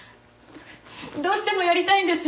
どうしてもやりたいんです。